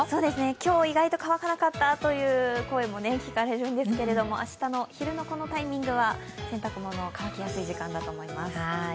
今日、意外と乾かなかったという声も聞かれるんですが明日の昼のこのタイミングは洗濯物、乾きやすい時間だと思います。